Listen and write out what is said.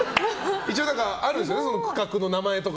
一応あるんですね区画の名前とか。